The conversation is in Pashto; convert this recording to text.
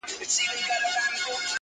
• مه کوه گمان د ليوني گلي .